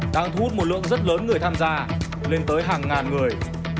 đang thu hút một lượng rất lớn người tham gia lên tới hàng ngàn người